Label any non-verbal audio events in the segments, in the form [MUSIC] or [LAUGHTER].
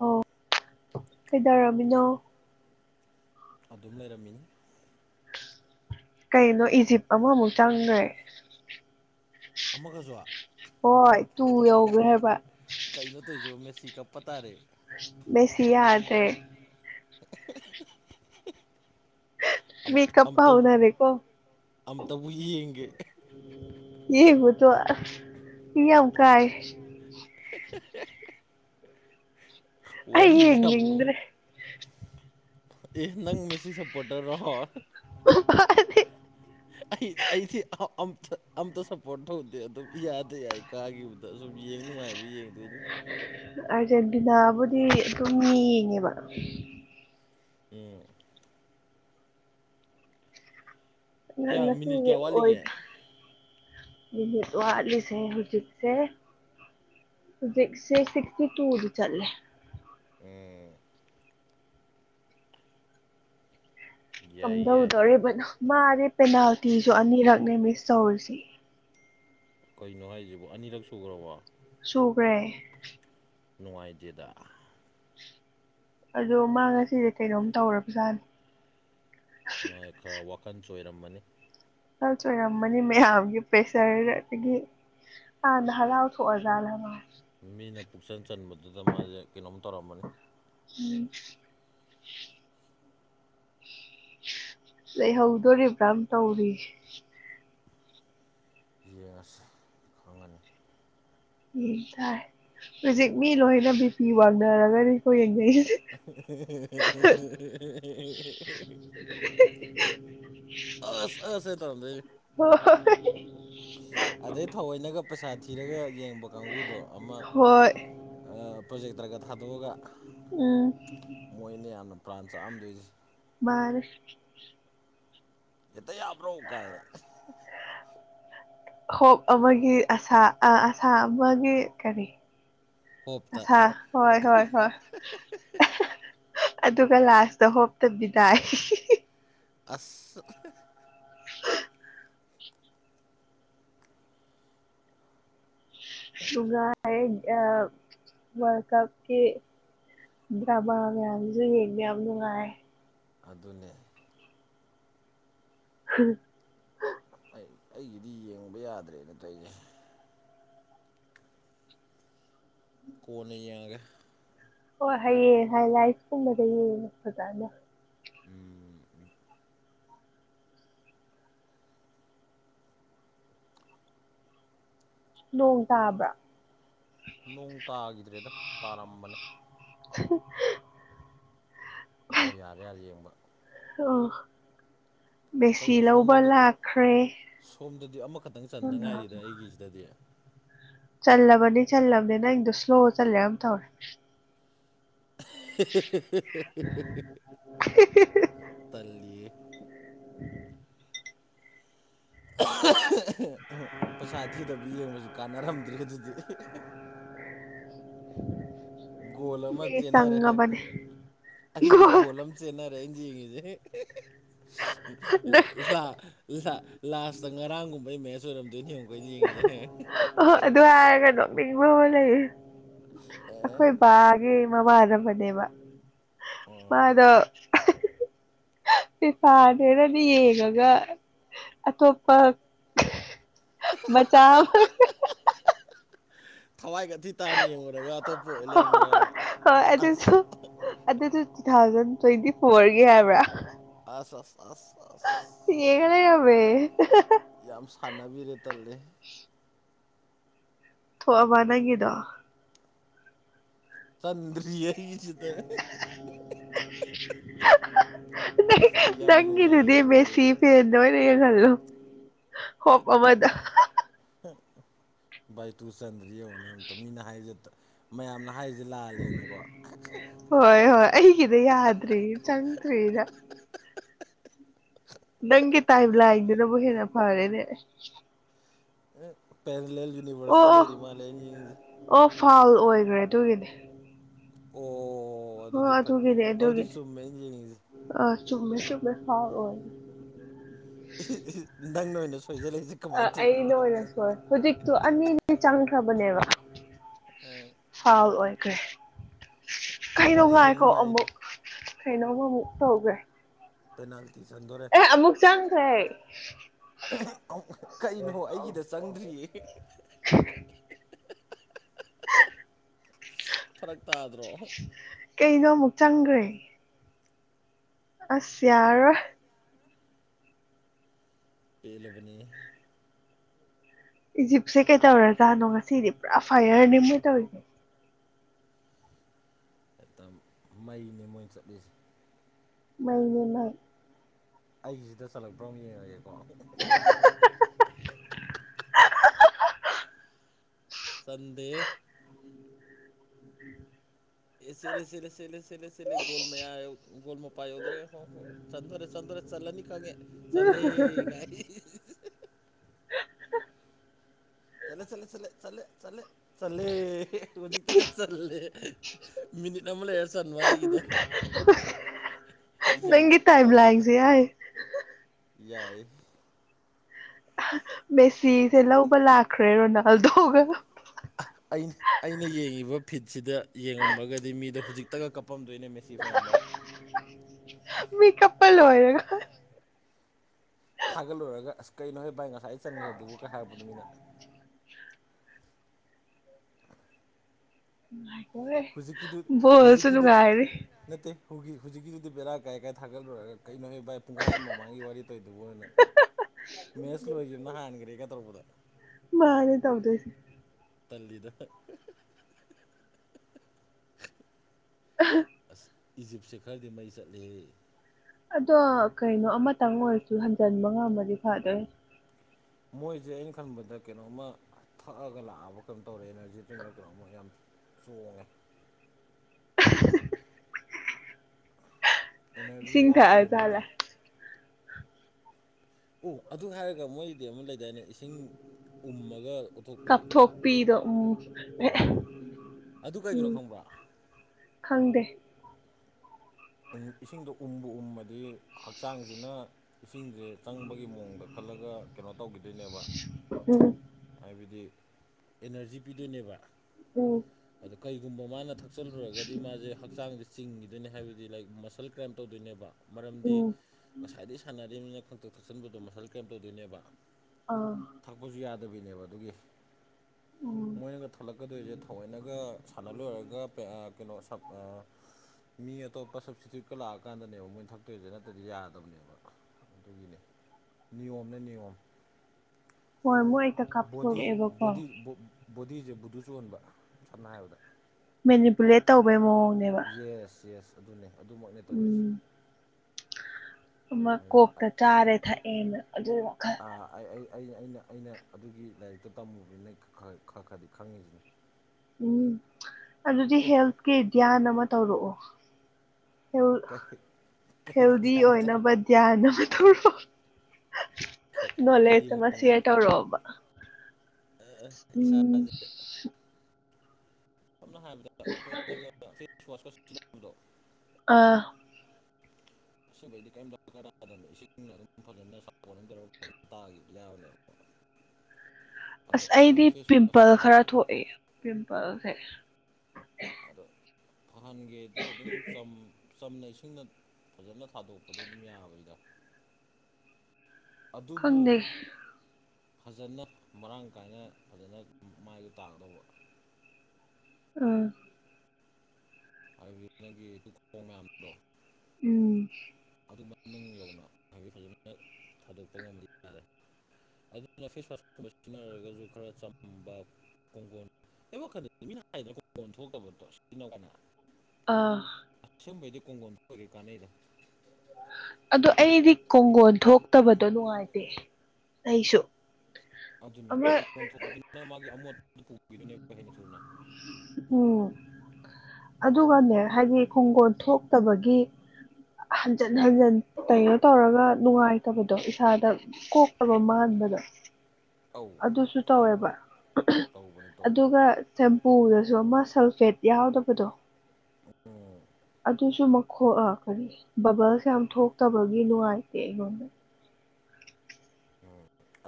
ꯑꯣ ꯀꯩꯗꯔꯝꯃꯤꯅꯣ ꯑꯗꯨꯝ ꯂꯩꯔꯝꯃꯤꯅꯤ ꯀꯩꯅꯣ ꯏꯖꯤꯞ ꯑꯃꯃꯨꯛ ꯆꯪꯈ꯭ꯔꯦ ꯑꯃꯒꯁꯨ ꯍꯣꯏ ꯇꯨ ꯌꯧꯈ꯭ꯔꯦꯕ ꯀꯩꯅꯣ ꯇꯧꯁꯤꯕ ꯃꯦꯁꯤ ꯀꯞꯄ ꯇꯥꯔꯦ ꯁꯤ ꯌꯥꯗ꯭ꯔꯦ ꯃꯤ ꯀꯞꯄ ꯑꯇꯕꯨ ꯍꯧꯅꯔꯦꯀꯣ ꯑꯝꯇꯕꯨ ꯌꯦꯡꯒꯦ ꯏꯕꯨꯗꯣ ꯏ ꯌꯥꯝ ꯀꯥꯏ [UNINTELLIGIBLE] ꯑ ꯋꯥꯔꯤꯁꯦ ꯌꯥꯝ ꯌꯦꯡꯅꯤꯡ ꯅꯨꯡꯉꯥꯏ ꯗꯔꯦ ꯑꯦ ꯅꯪ ꯃꯤꯁꯤ ꯁꯄꯣꯔꯇꯔꯔꯣ [UNINTELLIGIBLE] ꯑꯩ ꯑꯩꯗꯤ ꯑ ꯑꯝꯇ ꯁꯞꯄꯣꯔꯠ ꯇꯧꯗꯦ ꯑꯣ ꯌꯥꯗꯦ ꯌꯥꯏ ꯀꯥꯒꯤꯗ ꯑꯗ ꯁꯨꯝ ꯌꯦꯡ ꯅꯨꯡꯉꯥꯏꯕ ꯌꯦꯡꯗꯣꯏꯅꯦ ꯑꯥꯔꯖꯦꯟꯇꯤꯅꯥꯕꯨꯗꯤ ꯑꯗꯨꯝ ꯌꯦꯡꯉꯦꯕ ꯍ ꯀꯌꯥ ꯃꯤꯅꯤꯠ ꯉꯁꯤꯁ ꯀꯌꯥ ꯋꯥꯠꯂꯤꯒꯦ ꯑꯣꯏꯗ ꯋꯥꯠꯂꯤꯁꯦ ꯍꯧꯖꯤꯛꯁꯦ ꯁꯤꯁꯇꯤ ꯇꯨ ꯆꯂꯦ ꯎꯝ ꯌꯥꯏ ꯌꯥꯏ ꯀꯝꯗꯧꯗꯧꯔꯤꯕꯅꯣ ꯃꯥꯔꯦ ꯄꯦꯅꯥꯜꯇꯤꯁꯨ ꯑꯅꯤꯔꯛꯅꯦ ꯃꯤꯁ ꯇꯧꯔꯤꯁꯤ ꯀꯩꯅꯣ ꯍꯥꯏꯁꯤꯕꯨ ꯑꯅꯤꯔꯛ ꯁꯨꯈ꯭ꯔꯕ ꯁꯨꯈ꯭ꯔꯦ ꯅꯨꯡꯉꯥꯏꯇꯦꯗꯥ ꯑꯗꯣ ꯃꯥ ꯉꯁꯤꯗꯤ ꯀꯩꯅꯣꯝ ꯇꯧꯔꯕꯖꯥꯠꯅꯦ ꯃꯣꯏ ꯈꯔ ꯋꯥꯈꯜ ꯆꯣꯏꯔꯝꯕꯅꯤ ꯍꯜꯆ ꯑꯣꯏꯔꯝꯕꯅꯤ ꯃꯌꯥꯝꯒꯤ ꯄ꯭ꯔꯦꯁꯔ ꯑꯗꯒꯤ ꯑꯥꯙ ꯂꯥꯎꯁꯨꯑꯖꯥꯂ ꯃꯥ ꯃꯤꯅ ꯄꯨꯛꯆꯟ ꯆꯟꯕꯗꯨꯗ ꯃꯥꯁꯦ ꯀꯩꯅꯣꯝ ꯇꯧꯔꯝꯃꯅꯤ ꯎꯝ ꯂꯩꯍꯧꯗꯣꯔꯤꯕ꯭ꯔꯥ ꯑꯃ ꯇꯧꯔꯤ ꯌꯦꯡ ꯑꯁꯤ ꯈꯪꯉꯅꯤ ꯇꯥꯏ ꯍꯧꯖꯤꯛ ꯃꯤ ꯂꯣꯏꯅ ꯕꯤ ꯄꯤ ꯋꯥꯡꯅꯔꯒꯗꯤ ꯑꯩꯈꯣꯏ ꯌꯦꯡꯅꯔꯤꯁꯦ [UNINTELLIGIBLE] [UNINTELLIGIBLE] ꯑꯁ ꯑꯁ ꯑꯅ ꯇꯔꯝꯗ [UNINTELLIGIBLE] [UNINTELLIGIBLE] ꯑꯗꯩ ꯊꯑꯣꯏꯅꯒ ꯄꯩꯁꯥ ꯊꯤꯔꯒ ꯌꯦꯡꯕ ꯀꯥꯡꯕꯨꯗꯣ ꯑꯃ ꯍꯣꯏ ꯄ꯭ꯔꯣꯖꯦꯛꯇꯔꯒ ꯊꯥꯗꯣꯛꯑꯒ ꯎꯝ ꯃꯣꯏꯅ ꯌꯥꯝꯅ ꯄ꯭ꯔꯥꯟ ꯆꯥꯑꯝꯗꯣꯏꯁꯦ ꯃꯥꯅꯦ ꯍꯦꯛꯇ ꯌꯕ꯭ꯔꯣ ꯀꯥꯢꯅ ꯍꯣꯞ ꯑꯃꯒꯤ ꯑꯁꯥ ꯑꯁꯥ ꯑꯃꯒꯤ ꯀꯔꯤ ꯍꯣꯞꯇ ꯑ ꯍꯣꯏ ꯍꯣꯏ ꯍꯣꯏ ꯑꯗꯨꯒ ꯂꯥꯁꯇ ꯍꯣꯞꯇꯕꯤꯗꯥꯏ ꯑꯁ ꯒꯔ ꯀꯞꯀꯤ ꯗ꯭ꯔꯃꯥ ꯃꯌꯥꯝꯁꯨ ꯌꯦꯡꯕ ꯌꯥꯝ ꯅꯨꯡꯉꯥꯏ ꯑꯗꯨꯅꯦ ꯎꯝ ꯑꯩ ꯑꯩꯒꯤꯗꯤ ꯌꯦꯡꯕ ꯌꯥꯗ꯭ꯔꯦ ꯅꯠꯇ꯭ꯔ ꯑꯩꯁ ꯀꯣꯣꯟꯅ ꯌꯦꯡꯒ ꯍꯣꯏ ꯍꯌꯦꯡ ꯍꯥꯏ ꯂꯥꯏꯁꯀꯨꯝꯕꯗ ꯌꯦꯡꯉꯦ ꯐꯖꯅ ꯎꯝ ꯎꯝ ꯅꯣꯡ ꯇꯥꯕ꯭ꯔꯥ ꯅꯣꯡ ꯇꯥꯈꯤꯗ꯭ꯔꯦꯗ ꯇꯥꯔꯝꯕꯅꯦ [UNINTELLIGIBLE] ꯑꯣ ꯌꯥꯔꯦ ꯌꯥꯔ ꯌꯦꯡꯕ ꯑ ꯀꯩꯅꯣ ꯁꯣꯝꯗꯗꯤ ꯁꯣꯝꯗꯗꯤ ꯑꯃꯈꯛꯇꯪ ꯆꯟꯅꯉꯥꯏꯔꯤꯗ ꯑꯩꯒꯤꯁꯤꯗꯗꯤ ꯆꯜꯂꯕꯅꯤ ꯆꯜꯂꯕꯅꯤ ꯅꯪ ꯑꯩꯗꯣ ꯁ꯭ꯂꯣ ꯆꯜꯂꯦ ꯑꯃ ꯇꯧꯔꯦ ꯇꯜꯌꯦ ꯎ ꯄꯩꯁꯥ ꯊꯤꯗꯕꯤ ꯌꯦꯡꯕꯁꯤ ꯀꯥꯟꯅꯔꯝꯗ꯭ꯔꯔꯤ ꯑꯗꯨꯗꯤ ꯒꯣꯜ ꯑꯃ ꯆꯦꯟꯅꯔꯦ ꯆꯪꯉꯕꯅꯦ ꯑꯩꯗꯤ ꯒꯣꯜ ꯑꯃ ꯟꯅ ꯔꯦꯖꯉꯖꯦ ꯂꯥꯁꯇ ꯉꯔꯥꯡꯒꯨꯝꯕꯩ ꯃꯦꯠꯆ ꯑꯣꯏꯔꯝꯗꯣꯏꯅꯦ ꯑꯃꯨꯛ ꯑꯩꯅ ꯌꯦꯡꯉꯤꯁꯦ ꯑꯗꯨ ꯍꯥꯏꯔꯒ ꯅꯣ ꯅꯤꯡꯕ ꯑꯃ ꯂꯩꯌꯦ ꯑꯦ ꯑꯩꯈꯣꯏꯕꯕꯥ ꯃꯃꯥꯗ ꯐꯅꯦꯕ ꯑꯣ ꯃꯥꯗꯣ ꯄꯐꯥꯅꯦꯅ ꯌꯦꯡꯉꯒ ꯑꯇꯣꯞꯄ ꯆ ꯊꯋꯥꯏꯒꯊꯤ ꯇꯥꯅ ꯌꯦꯡꯉꯨꯔꯒ ꯑꯇꯣꯞꯄ ꯑꯣꯏ ꯂꯩꯔꯝꯃꯤꯔꯕ ꯑꯁ ꯑꯗꯨꯗꯨ ꯇꯨ ꯊꯥꯎꯖꯟ ꯇ꯭ꯋꯦꯟꯇꯤ ꯐꯣꯔꯒꯤ ꯍꯥꯏꯕ꯭ꯔꯥ ꯑꯁ ꯑꯁ ꯑꯁ ꯑꯁ ꯌꯦꯒꯦ ꯅꯃꯦ ꯌꯥꯝ ꯁꯥꯟꯅꯕꯤꯔꯦ ꯇꯜꯂꯦ ꯊꯣꯛꯑꯕ ꯅꯪꯉꯗꯣ ꯆꯗ꯭ꯔꯁꯤꯗ ꯌꯥꯝ ꯇꯪꯗꯨꯗꯤ ꯅꯨꯡꯉꯥꯏꯔꯤ ꯃꯦꯁꯤ ꯋꯥꯔꯤꯁꯦ ꯄꯦ ꯅꯅ ꯌꯦꯡꯍꯜꯂꯨ ꯍꯣꯞ ꯑꯃꯗ ꯕꯥꯏꯇꯨ ꯆꯟꯗ꯭ꯔ ꯌꯧꯣꯅꯦ ꯑ ꯑꯃꯇ ꯃꯤꯅ ꯍꯥꯏꯖ ꯃꯌꯥꯝꯅ ꯍꯥꯏ ꯖꯤꯜꯂꯥꯂꯅꯀꯣ ꯍꯣꯏ ꯍꯣꯏ ꯑꯩꯒꯤꯗ ꯌꯥꯗ꯭ꯔꯔꯤ ꯆꯪꯗ꯭ꯔꯔꯤꯗ ꯅꯪꯒꯤ ꯇꯥꯏꯝ ꯂꯥꯏꯡꯗꯨꯅꯕꯨ ꯍꯦꯟꯅ ꯐꯔꯦꯅꯦ ꯑꯦ ꯄꯦꯔꯂꯦꯜ ꯑꯣ ꯌꯨꯅꯤꯚꯔꯁꯇ ꯑꯣ ꯂꯩꯔꯤ ꯃꯥꯜꯂꯦ ꯑꯩꯅ ꯌꯦꯡꯉꯤꯁꯦ ꯑꯣ ꯐꯥꯜ ꯑꯣꯏꯈ꯭ꯔꯦ ꯑꯗꯨꯒꯤꯗꯤ ꯑꯣ ꯑꯗꯨꯗꯤ ꯐꯩ ꯑꯗꯨꯒꯤꯅꯦ ꯑꯗꯨꯗꯤ ꯑꯗꯨꯒꯤꯅꯦ ꯆꯨꯝꯃꯦꯅ ꯌꯦꯡꯉꯉꯤꯁꯦ ꯑ ꯆꯨꯝꯃꯦ ꯆꯃꯦꯦ ꯐꯥꯎꯣꯏ ꯅꯪ ꯅꯉꯣꯏꯅ ꯁꯣꯏꯖ ꯂꯩꯁꯤꯦ ꯑ ꯑꯩꯅ ꯑꯣꯏꯅ ꯁ ꯍꯧꯖꯤꯛꯇꯣ ꯑꯅꯤꯅꯤ ꯆꯪꯈ꯭ꯔꯕꯅꯦꯕ ꯑ ꯐꯥꯎꯜ ꯑꯣꯏꯈ꯭ꯔꯦ ꯀꯩꯗꯧ ꯋꯥꯔꯤꯁꯦ ꯉꯥꯏꯈꯣ ꯅꯨꯡꯉꯥꯏꯔꯤ ꯑꯃꯨꯛ ꯍꯩꯅꯕꯨ ꯃꯛꯇꯧꯒꯦ ꯄꯦꯅꯥꯜꯇꯤ ꯁꯟꯗꯣꯔꯦ ꯆꯪꯈ꯭ꯔꯦ ꯀꯩꯅꯣ ꯑꯩꯒꯤꯗ ꯆꯪꯗ꯭ꯔꯤꯌꯦ [UNINTELLIGIBLE] ꯐꯔꯛ ꯇꯥꯗ꯭ꯔꯣ ꯀꯩꯅꯣ ꯑꯃꯨꯛ ꯆꯪꯒ꯭ꯔꯦ ꯑꯁ ꯌꯥꯔꯣꯏ ꯄꯦꯜꯂꯕꯅꯤ ꯏꯖꯤꯞꯁꯦ ꯀꯩꯗꯧꯔꯖꯥꯠꯅꯣ ꯉꯁꯤꯗꯤ ꯄꯨꯔꯥ ꯐꯥꯏꯌꯔꯅꯦ ꯃꯣꯏ ꯇꯧꯔꯤꯖꯤ ꯍꯦꯇꯝ ꯃꯩꯅꯤ ꯃꯣꯏ ꯆꯠꯂꯤꯁꯤ ꯃꯩꯅꯦ ꯃꯩ ꯑꯩꯒꯤꯖꯤꯗ ꯆꯜꯂꯛꯄ꯭ꯔ ꯑꯃꯨꯛ ꯌꯦꯡꯉꯒꯦꯀꯣ [UNINTELLIGIBLE] ꯆꯟꯗꯦ ꯑꯦ ꯆꯦꯜꯂꯦ ꯆꯦꯜꯂꯦ ꯆꯦꯜꯂꯦ ꯆꯦꯜꯂꯦ ꯆꯦꯜꯂꯦ ꯒꯣꯜ ꯃꯌꯥꯌꯧ ꯎꯒꯣꯜ ꯃꯄꯥ ꯌꯧꯗꯧꯔꯦ ꯈꯣ ꯈꯣ ꯆꯟꯗꯣꯔꯦ ꯆꯟꯗꯣꯔꯦ ꯆꯜꯂꯅꯤ ꯈꯪꯉꯦ ꯆꯜꯂꯦ ꯒꯥꯏ ꯆꯜꯂꯦ ꯆꯜꯂꯦ ꯆꯜꯂꯦ ꯆꯜꯂꯦ ꯆꯜꯂꯦ ꯆꯜꯂꯦ ꯍꯧꯖꯤꯛ ꯇꯒ ꯆꯜꯂꯦ ꯃꯤꯅꯤꯠ ꯑꯃ ꯂꯩꯔꯥ ꯆꯟꯕ꯭ꯋꯥꯏ ꯑꯩꯒꯤꯗꯣ ꯅꯪꯒꯤ ꯇꯥꯏꯝ ꯇꯜꯂꯦꯗ ꯂꯥꯏꯟꯖꯦ ꯍꯥꯏ [UNINTELLIGIBLE] ꯌꯥꯏ ꯃꯦꯁꯤꯁꯦ ꯂꯧꯕ ꯂꯥꯛꯈ꯭ꯔꯦ ꯔꯣꯅꯥꯜꯗꯣꯒ ꯑꯩ [UNINTELLIGIBLE] ꯑꯩꯅ ꯌꯦꯡꯉꯤꯕ ꯐꯤꯠꯁꯤꯗ ꯌꯦꯡꯉꯝꯃꯒꯗꯤ ꯃꯤꯗꯣ ꯍꯧꯖꯤꯛꯇꯒ ꯀꯞꯄꯝꯗꯣꯏꯅꯦ ꯃꯦꯁꯤ ꯐꯦꯟꯗꯣ ꯃꯤ ꯀꯞꯄ ꯂꯣꯏꯔ [UNINTELLIGIBLE] ꯊꯥꯒꯠꯂꯨꯔꯒ ꯑꯁ ꯀꯩꯅꯣꯍꯦ ꯚꯥꯏ ꯉꯁꯥꯏ ꯆꯟꯒ꯭ꯔꯗꯨꯕꯨ ꯀꯥꯏ ꯍꯥꯏꯔꯛꯄꯗꯣ ꯃꯤꯅ [UNINTELLIGIBLE] ꯍꯧꯖꯤꯛꯀꯤꯗꯨꯠ ꯕꯣꯜꯁꯨ ꯍꯧꯖꯤꯛꯀꯤꯗꯨꯠ ꯅꯨꯡꯉꯥꯏꯔꯤ ꯅꯠꯇꯦ ꯍꯧ ꯍꯧꯖꯤꯛꯀꯤꯗꯨꯗꯤ ꯕꯦꯔꯥ ꯀꯥꯏ ꯀꯥꯏ ꯊꯥꯒꯠꯂꯨꯔꯒ ꯀꯩꯅꯣꯍꯦ ꯚꯥꯏ ꯄꯨꯡꯒꯥꯏ ꯑꯃ ꯃꯃꯥꯡꯒꯤ ꯋꯥꯔꯤ ꯇꯧꯏꯗꯨꯕꯨꯅ ꯃꯦꯁ ꯂꯣꯏꯒꯤꯕꯅ ꯍꯥꯟꯒ꯭ꯔꯦ ꯀ ꯇꯧꯕꯗꯣ ꯑꯗꯨꯅꯤ ꯇꯧꯗꯣꯏꯁꯤ ꯇꯜꯂꯤꯗ [UNINTELLIGIBLE] ꯑꯁ ꯏꯖꯤꯞꯁꯦ ꯈꯔꯗꯤ ꯃꯩ ꯆꯠꯂꯦ ꯑꯗꯣ ꯀꯩꯅꯣ ꯑꯃꯇꯪ ꯑꯣꯏꯔꯖꯨ ꯍꯟꯖꯟꯕ ꯉꯝꯃꯗꯤ ꯐꯗꯣꯏꯅꯤ ꯃꯣꯏꯖꯦ ꯑꯩꯅ ꯈꯟꯕꯗ ꯀꯩꯅꯣꯝꯃ ꯊꯛꯑꯒ ꯂꯥꯛꯑꯕ ꯀꯩꯅꯣꯝ ꯇꯧꯔꯦ ꯑꯦꯅꯔꯖꯤ ꯗ꯭ꯔꯤꯡꯂꯥ ꯀꯩꯅꯣꯝꯃ ꯌꯥꯝ [UNINTELLIGIBLE] [UNINTELLIGIBLE] ꯑꯦꯅꯔꯖꯤ ꯏꯁꯤꯡ ꯋꯥꯠꯇ꯭ꯔꯦ ꯃꯣꯏꯖꯦ ꯊꯛꯑꯖꯥꯠꯂ ꯑꯣ ꯑꯗꯨ ꯍꯥꯏꯔꯒ ꯃꯣꯏꯗꯤ ꯑꯃ ꯂꯩꯗꯥꯏꯅꯦ ꯏꯁꯤꯡ ꯎꯝꯃꯒ ꯑꯣꯠꯊꯣꯛꯄꯤ ꯀꯞꯊꯣꯛꯄꯤꯗꯣ ꯎꯝ ꯑꯗꯨ ꯎꯝ ꯀꯩꯒꯤꯅꯣ ꯈꯪꯕ꯭ꯔꯥ ꯈꯪꯗꯦ [UNINTELLIGIBLE] ꯏꯁꯤꯡꯗꯣ ꯎꯝꯕꯨ ꯎꯨꯝꯃꯗꯤ ꯍꯛꯆꯥꯡꯖꯤꯅ ꯏꯁꯤꯡꯖꯦ ꯆꯪꯕꯒꯤ ꯃꯑꯣꯡꯗ ꯈꯜꯂꯒ ꯀꯩꯅꯣ ꯇꯧꯒꯤꯗꯣꯏꯅꯦꯕ ꯎꯝ ꯍꯥꯏꯕꯗꯤ ꯑꯦꯅꯔꯖꯤ ꯄꯤꯗꯣꯏꯅꯦꯕ ꯎꯝ ꯑꯗ ꯀꯩꯒꯨꯝꯕ ꯃꯥꯅ ꯊꯛꯆꯜꯂꯨꯔꯒꯗꯤ ꯃꯥꯖꯦ ꯍꯛ ꯆꯥꯡꯗ ꯆꯤꯡꯈꯤꯗꯣꯏꯅꯦ ꯍꯥꯏꯕꯗꯤ ꯂꯥꯏꯛ ꯃꯁꯜ ꯀ꯭ꯔꯥꯏꯝ ꯇꯧꯗꯣꯏꯅꯦꯕ ꯃꯔꯝꯗꯤ ꯎꯝ ꯉꯁꯥꯏꯗꯩ ꯁꯥꯟꯅꯔꯤꯝꯅꯤꯅ ꯈꯡꯊꯛ ꯊꯛꯆꯟꯕꯗꯣ ꯃꯁꯜ ꯀꯔꯦꯝ ꯇꯧꯗꯣꯏꯅꯦꯕ ꯑꯥ ꯊꯛꯄꯖꯨ ꯌꯥꯗꯕꯤꯅꯦꯕ ꯑꯗꯨꯒꯤ ꯎꯝ ꯃꯣꯏꯅꯒ ꯊꯛꯂꯛꯀꯗꯣꯏꯖꯦ ꯅꯒ ꯁꯥꯟꯅ ꯂꯣꯏꯔꯒ ꯑ ꯀꯩꯅꯣ ꯁꯞ ꯑ ꯃꯤ ꯑꯇꯣꯞꯄ ꯁꯞꯁꯇꯤꯇ꯭ꯌꯨꯠꯀ ꯂꯥꯛꯑꯀꯥꯟꯗꯅꯦꯕ ꯃꯣꯏꯅ ꯊꯛꯇꯣꯏꯖꯦ ꯅꯠꯇ꯭ꯔꯗꯤ ꯌꯥꯗꯕꯅꯦꯕ ꯑꯗꯨꯒꯤꯅꯦ ꯅꯤꯌꯣꯝꯅꯦ ꯅꯤꯌꯣꯝ ꯍꯣꯏ ꯃꯣꯏ ꯕꯣꯗꯤꯖꯦ ꯀꯥꯞꯊꯣꯔꯛꯑꯦꯕꯀꯣ ꯕꯣꯗꯤꯖꯦ ꯕꯣ ꯕꯣꯗꯤꯖꯦ ꯕꯨꯗꯨ ꯆꯨꯍꯟꯕ ꯁꯝꯅ ꯍꯥꯏꯔꯕꯗ ꯃꯦꯅꯤꯄꯨꯂꯦꯠ ꯇꯧꯕꯩ ꯃꯑꯣꯡꯅꯦ ꯌꯦꯁ ꯌꯦꯁ ꯑꯗꯨꯅꯦ ꯑꯗꯨꯃꯛꯅꯦ ꯇꯧꯔꯤꯁꯦ ꯎꯝ ꯑꯃ ꯀꯣꯛꯇ ꯆꯥꯔꯦ ꯊꯛꯑꯦꯅ ꯑꯗꯨꯒꯤꯜ ꯑꯩ ꯑꯩꯅ ꯑꯩꯅ ꯑꯗꯨꯒꯤ ꯂꯥꯏꯔꯤꯛꯇꯣ ꯇꯝꯃꯨꯕꯅꯤꯅ ꯈ ꯈꯔ ꯈꯔꯗꯤ ꯈꯪꯉꯤꯁꯤꯅꯤ ꯎꯝ ꯑꯗꯨꯗꯤ ꯍꯦꯜꯊꯀꯤ ꯙ꯭ꯌꯥꯟ ꯑꯃ ꯇꯧꯔꯛꯑꯣ ꯍꯦꯜ ꯀꯔꯤ ꯀꯔꯤ ꯍꯦꯜꯗꯤ ꯙ꯭ꯌꯥꯟ ꯇꯧ ꯑꯣꯏꯅꯕ ꯙ꯭ꯌꯥꯟ ꯑꯃ ꯊꯣꯛꯔꯛꯑꯣ ꯅꯂ ꯀꯔꯤ ꯆ ꯃꯥꯁꯤꯌꯥ ꯃꯑꯣꯡꯗ ꯇ ꯔꯕꯥ ꯎꯝ ꯏꯁꯥꯁꯦ ꯁꯝꯅ ꯍꯥꯏꯔꯕꯗ ꯑꯩꯈꯣꯏ ꯐꯦ ꯋꯥꯁꯀ ꯁꯤꯖꯤꯟꯅꯕꯗꯣ ꯑꯥ [UNINTELLIGIBLE] ꯐꯖꯅ ꯇꯧꯔ ꯇꯥꯈꯤꯕ ꯌꯥꯕꯅꯦꯕ ꯑꯗꯣ ꯑꯁ ꯑꯩꯗꯤ ꯑꯩꯈꯣꯏꯅ ꯐꯦꯁ ꯋꯥꯁ ꯄꯤꯝꯄꯜ ꯈꯔ ꯊꯣꯛꯏ ꯄꯤꯝꯄꯜꯁꯦ ꯑꯗꯣ ꯑꯍꯟꯒꯦꯗꯤ ꯑꯗꯨꯝ ꯁꯝ ꯆꯝꯅ ꯏꯁꯤꯡꯅ ꯐꯖꯅ ꯊꯥꯗꯣꯛꯄꯗ ꯑꯗꯨꯝ ꯌꯥꯕꯅꯤꯗ ꯑꯗꯨꯕꯨ ꯈꯪꯗꯦ ꯐꯖꯅ ꯃꯔꯥꯡ ꯀꯥꯏꯅ ꯐꯖꯅ ꯃꯥꯏꯗꯣ ꯇꯥꯛꯒꯗꯧꯕ ꯑꯥ ꯍꯥꯏꯕꯗꯤ ꯅꯪꯒꯤ ꯈꯣꯡꯌꯥꯝ ꯎꯝ ꯑꯗꯨ ꯃꯅꯨꯡ ꯌꯧꯅ ꯍꯥꯏꯗꯤ ꯐꯖꯅ ꯊꯥꯗꯣꯛꯄ ꯉꯝꯕꯗꯤ ꯌꯥꯔꯦ ꯑꯗꯨꯅ ꯐꯦꯁ ꯋꯥꯁꯀꯨꯝꯕ ꯁꯤꯖꯤꯟꯅꯔꯒꯁꯨ ꯈꯔ ꯆꯝꯕ ꯈꯣꯡꯒꯣꯟ ꯀꯟꯗ ꯃꯤꯅ ꯍꯥꯏꯗ꯭ꯔ ꯈꯣꯡꯒꯣꯟ ꯊꯣꯛꯇꯕꯗꯣ ꯁꯤꯅ ꯀ ꯑꯥ ꯑꯁꯨꯝꯕꯩꯗꯤ ꯀꯣꯡꯒꯣꯝꯣꯏꯒꯦ ꯀꯥꯟꯅꯩꯔ ꯑꯣ ꯑꯩꯗꯤ ꯀꯣꯡꯒꯣꯟ ꯊꯣꯛꯇꯕꯗꯣ ꯅꯨꯡꯉꯥꯏꯇꯦ ꯑꯩꯁꯨ ꯑꯗꯨꯅꯦ ꯀ ꯑꯃ ꯂꯣꯟ ꯊꯣꯛꯄꯗꯨꯅ ꯃꯥꯒꯤ ꯑꯃꯣꯠꯄꯗꯨ ꯄꯨꯗꯨꯣꯏꯅꯦꯕ ꯍꯦꯟꯅ ꯊꯨꯅ ꯑꯣ ꯑꯗꯨꯒꯅꯦ ꯍꯥꯏꯗꯤ ꯈꯨꯡꯒꯣꯣꯟ ꯊꯣꯛꯇꯕꯒꯤ ꯍꯟꯖꯟ ꯍꯟꯖꯤꯟ ꯀꯩꯅꯣ ꯇꯧꯔꯒ ꯅꯨꯡꯉꯥꯏꯇꯕꯗꯣ ꯏꯁꯥꯗ ꯀꯣꯛꯑꯕ ꯃꯥꯟꯕꯗꯣ ꯑꯧ ꯑꯗꯨꯁꯨ ꯇꯧꯋꯦꯕ ꯇꯧꯕꯅꯦ ꯇꯧꯕꯅꯦ ꯇꯧꯕꯅꯦ ꯑꯗꯨꯒ ꯁꯦꯝꯄꯨꯗꯁꯨ ꯑꯃ ꯁꯜꯐꯦꯠ ꯌꯥꯎꯗꯕꯗꯣ ꯑꯣ ꯑꯗꯨꯁꯨ ꯃꯈꯣꯛ ꯀꯔꯤ ꯕꯕꯜꯁ ꯌꯥꯝ ꯊꯣꯛꯇꯕꯒꯤ ꯅꯨꯡꯉꯥꯏꯇꯦ ꯑꯩꯉꯣꯟꯗ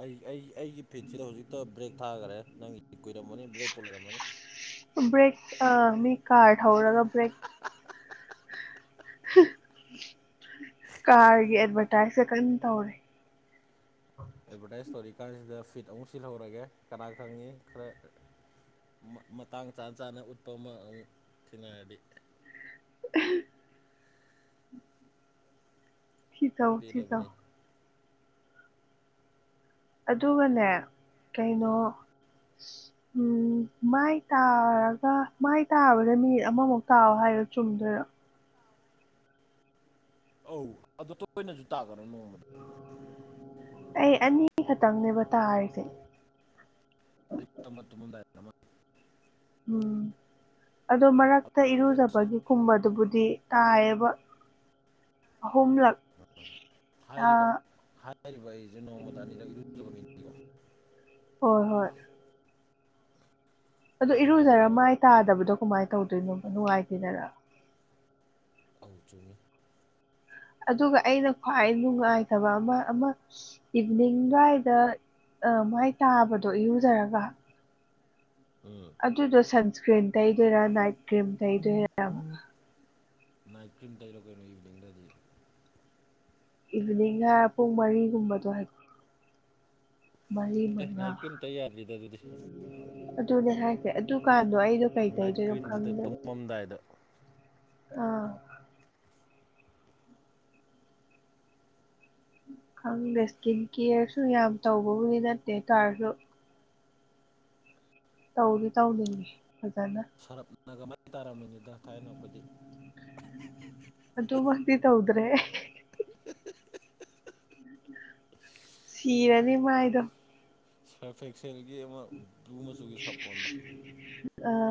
ꯑꯩ ꯑꯩ ꯑꯩꯒꯤ ꯐꯤꯠꯁꯤꯗ ꯍꯧꯖꯤꯛꯇ ꯕ꯭ꯔꯦꯛ ꯊꯥꯈꯔꯦ ꯅꯪꯒꯤ ꯀꯨꯏꯔꯝꯃꯅꯤ ꯕ꯭ꯔꯦꯛ ꯄꯣ ꯂꯩꯔꯝꯃꯅꯤ ꯕ꯭ꯔꯦꯛ ꯑ ꯃꯤ ꯀꯥ ꯊꯎꯔꯒ ꯭ꯔꯦꯛ ꯀꯥꯔꯒꯤ ꯑꯦꯗꯚꯔꯇꯥꯏꯁꯁꯦ ꯀꯝ ꯇꯧꯔꯦ ꯑꯦꯗꯚꯔꯇꯥꯏꯁ ꯇꯧꯔꯤꯛ ꯀꯥꯟꯁꯤꯗ ꯐꯤꯠ ꯑꯃꯨꯛ ꯁꯤꯜꯍꯧꯔꯒꯦ ꯀꯅꯥ ꯈꯪꯉꯤ ꯈꯔ ꯃꯇꯥꯡ ꯆꯥꯅ ꯆꯥꯅ ꯎꯠꯄ ꯑꯃ ꯊꯦꯡꯅꯔꯗꯤ [UNINTELLIGIBLE] ꯆꯥꯎꯧ ꯊꯤ ꯆꯧ ꯄꯦꯜꯂꯕꯅꯤ ꯑꯗꯨꯒꯅꯦ ꯀꯩꯅꯣ ꯎꯝ ꯃꯥꯏ ꯇꯥꯔꯒ ꯃꯥꯏ ꯇꯥꯕꯗ ꯃꯤꯅꯤꯠ ꯑꯃꯃꯨꯛ ꯇꯥꯑꯣ ꯍꯥꯏꯔꯣ ꯆꯨꯝꯗꯣꯏꯔꯣ ꯑꯧ ꯑꯗꯣ ꯇꯣꯏꯅꯁꯨ ꯇꯥꯒ꯭ꯔꯣ ꯅꯣꯡꯃꯗ ꯑꯩ ꯑꯅꯤ ꯈꯛꯇꯪꯅꯦꯕ ꯇꯥꯔꯤꯁꯦ ꯑꯌꯨꯛꯇ ꯑꯃꯥ ꯇꯨꯝꯂꯝꯗꯥꯏꯗ ꯑꯃꯥ ꯎꯝ ꯑꯗꯣ ꯃꯔꯛꯇ ꯑꯗꯨꯅ ꯕꯦꯁꯅꯤ ꯏꯔꯨꯖꯕꯒꯤ ꯀꯨꯝꯕꯗꯨꯕꯨꯗꯤ ꯇꯥꯏꯌꯦꯕ ꯑꯍꯨꯝꯂꯛ ꯎ ꯑ ꯍꯥꯏꯔꯤꯕ ꯍꯥꯏꯔꯤꯕ ꯑꯩꯁꯦ ꯅꯣꯡꯃꯗ ꯑꯅꯤꯔꯛ ꯏꯔꯨꯖꯕ ꯃꯤꯅꯤꯀꯣ ꯍꯣꯏ ꯍꯣꯏ꯫ ꯑꯗꯣ ꯑꯩꯗꯤ ꯏꯔꯨꯖꯔ ꯍꯩꯅꯗꯦꯕ ꯃꯥꯏ ꯇꯥꯗꯕꯗꯣ ꯀꯃꯥꯏꯅ ꯇꯧꯗꯣꯏꯅꯣ ꯅꯨꯡꯉꯥꯏꯇꯦꯗꯅ꯫ ꯑꯧ ꯆꯨꯝꯃꯤ꯫ ꯑꯗꯨꯒ ꯑꯩꯅ ꯈ꯭ꯋꯥꯏ ꯅꯨꯡꯉꯥꯏꯇꯕ ꯑꯃ ꯑꯃ ꯁ ꯏꯚꯅꯤꯡ ꯗꯨꯋꯥꯏꯗ ꯑ ꯃꯥꯏ ꯇꯥꯕꯗꯣ ꯏꯔꯨꯖꯔꯒ ꯎꯝ꯫ ꯑꯗꯨꯗꯣ ꯁꯟꯁꯀ꯭ꯔꯤꯟ ꯇꯩꯗꯣꯏꯔꯥ ꯅꯥꯏꯠ ꯀ꯭ꯔꯤꯝ ꯇꯩꯗꯣꯏꯔꯥ [UNINTELLIGIBLE] ꯅꯥꯏꯠ ꯀ꯭ꯔꯤꯝ ꯇꯩꯔꯣ ꯀꯩꯅꯣ ꯏꯚꯤꯅꯤꯡꯗꯗꯤ꯫ ꯏꯚꯤꯅꯤꯡꯗꯥ ꯄꯨꯡ ꯃꯔꯤꯒꯨꯝꯕꯗꯣ ꯍꯥꯏ꯫ ꯃꯔꯤ ꯑꯦ ꯃꯉꯥ ꯅꯥꯏꯠ ꯀꯔꯤꯝ ꯇꯩ ꯌꯥꯗ꯭ꯔꯤꯗ ꯑꯗꯨꯗꯤ꯫ ꯑꯗꯨꯅꯦ ꯍꯥꯏꯁꯦ ꯑꯗꯨꯀꯥꯟꯗꯣ ꯑꯩꯗꯣ ꯀꯩ ꯅꯥꯏꯠ ꯇꯩꯗꯣꯏꯅꫭ ꯀ꯭ꯔꯤꯝꯁꯤꯗ ꯈꯪꯗꯦꯕ꯫ ꯇꯨꯝꯃꯝꯗꯥꯏꯗ ꯑꯥ꯫ ꯈꯪꯗꯦ ꯁ꯭ꯀꯤꯟ ꯀꯦꯔꯁꯨ ꯌꯥꯝ ꯇꯧꯕꯕꯨꯗꯤ ꯅꯠꯇꯦ ꯇꯥꯔꯁꯨ ꯇꯧꯗꯤ ꯇꯧꯅꯤꯡꯉꯤ ꯐꯖꯅ꯫ ꯁꯔꯞꯅꯒ ꯃꯥꯏ ꯇꯥꯔꯝꯃꯤꯅꯤꯗ ꯊꯥꯏꯅ ꯑꯩꯈꯣꯏꯗꯤ꯫ ꯑꯗꯨꯃꯛꯇꯤ ꯇꯧꯗ꯭ꯔꯦ꯫ [UNINTELLIGIBLE] [UNINTELLIGIBLE] ꯇꯤꯔꯅꯤ ꯃꯥꯥꯏꯗꯣ꯫ ꯁꯥꯔꯐ ꯑꯦꯛꯁꯦꯜꯒꯤ ꯑꯃ ꯕ꯭ꯂꯨ ꯃꯆꯨꯒꯤ ꯁꯥꯄꯣꯟꯗꯣ꯫ ꯑꯥ